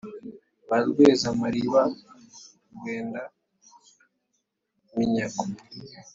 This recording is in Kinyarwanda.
ba rweza-mariba rwenda minyago.